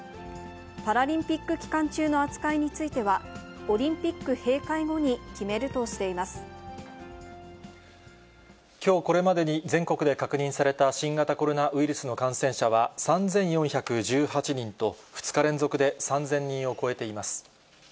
パラリンピック期間中の扱いについては、オリンピック閉会後に決きょうこれまでに、全国で確認された新型コロナウイルスの感染者は３４１８人と、２日連続で３０００人を超えています。